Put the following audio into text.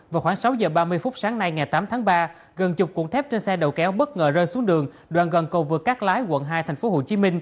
vào khoảng sáu giờ ba mươi phút sáng nay ngày tám tháng ba gần chục cụm thép trên xe đầu kéo bất ngờ rơi xuống đường đoạn gần cầu vượt cát lái quận hai tp hcm